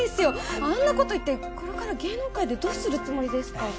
あんなこと言ってこれから芸能界でどうするつもりですか！？